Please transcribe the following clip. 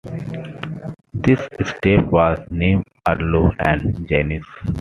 The strip was named Arlo and Janis.